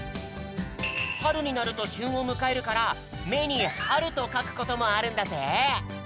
はるになるとしゅんをむかえるからめにはるとかくこともあるんだぜ。